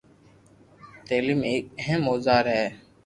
تعليم هڪ اهم اوزار آهي